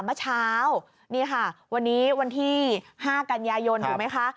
เมื่อเช้านี่ค่ะวันนี้วันที่๕กันยายนถูกไหมคะ